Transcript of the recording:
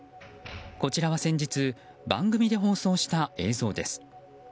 こちらは先日番組で放送した映像です。